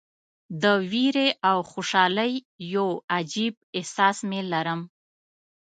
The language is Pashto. د ویرې او خوشالۍ یو عجیب احساس مې لرم.